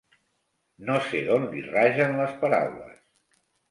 No sé d'on li ragen les paraules.